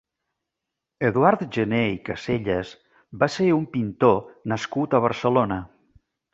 Eduard Jener i Casellas va ser un pintor nascut a Barcelona.